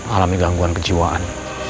alami gangguan kejiwaan